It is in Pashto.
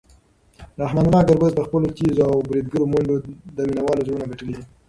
رحمان الله ګربز په خپلو تېزو او بریدګرو منډو د مینوالو زړونه ګټلي دي.